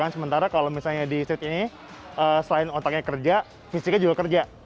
sementara kalau misalnya di seat ini selain otaknya kerja fisiknya juga kerja